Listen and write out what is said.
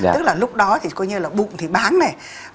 tức là lúc đó thì coi như là bụng thì bán này